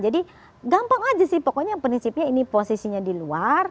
jadi gampang aja sih pokoknya prinsipnya ini posisinya di luar